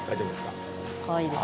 かわいいです。